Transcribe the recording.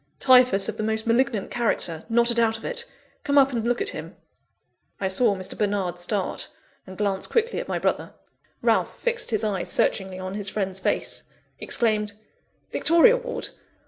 "Typhus of the most malignant character not a doubt of it. Come up, and look at him." I saw Mr. Bernard start, and glance quickly at my brother. Ralph fixed his eyes searchingly on his friend's face; exclaimed: "Victoria Ward!